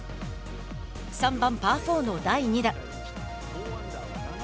３番パー４の第２打。